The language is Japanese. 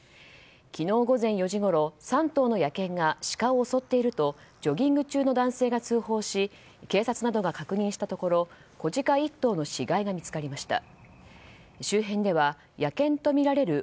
昨日午前４時ごろ３頭の野犬がシカを襲っているとジョギング中の男性が通報し警察などが確認したところ子ジカ１頭の死骸が見つかりました。